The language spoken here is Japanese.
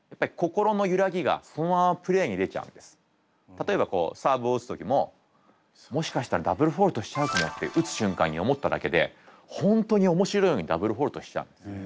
例えばこうサーブを打つ時も「もしかしたらダブルフォルトしちゃうかも」って打つ瞬間に思っただけで本当に面白いようにダブルフォルトしちゃうんです。